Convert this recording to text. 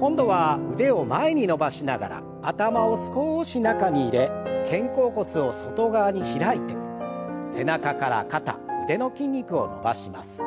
今度は腕を前に伸ばしながら頭を少し中に入れ肩甲骨を外側に開いて背中から肩腕の筋肉を伸ばします。